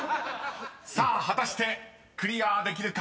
［さあ果たしてクリアできるか？］